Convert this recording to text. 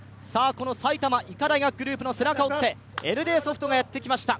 埼玉医科大学グループの背中を追ってＮＤソフトがやってきました。